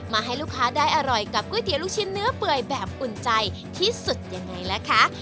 ให้ลูกค้าได้อร่อยกับก๋วยเตี๋ยวลูกชิ้นเนื้อเปื่อยแบบอุ่นใจที่สุดยังไงล่ะคะ